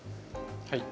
はい。